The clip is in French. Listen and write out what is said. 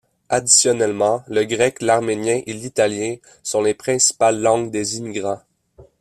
Additionnellement, le grec, l'arménien et l'italien sont les principales langues des immigrants.